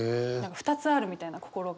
２つあるみたいな心が。